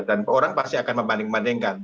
orang pasti akan membanding bandingkan